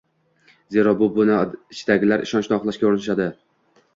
zero bu bino ichidagilar... ishonchni oqlashga urinishadi.